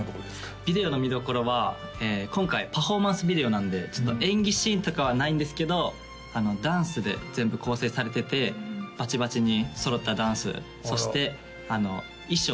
ビデオの見どころは今回パフォーマンスビデオなんでちょっと演技シーンとかはないんですけどダンスで全部構成されててバチバチに揃ったダンスそして衣装